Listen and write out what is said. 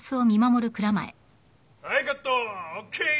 はいカットＯＫ！